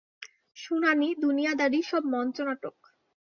শুনানি, দুনিয়াদারি, সব মঞ্চ নাটক।